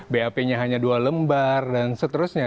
bap nya hanya dua lembar dan seterusnya